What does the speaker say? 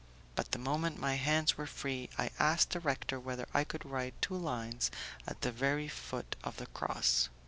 But the moment my hands were free, I asked the rector whether I could write two lines at the very foot of the cross.